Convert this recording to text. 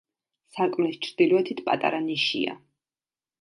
სარკმლის ჩრდილოეთით პატარა ნიშია.